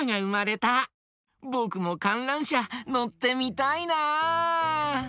ぼくもかんらんしゃのってみたいな。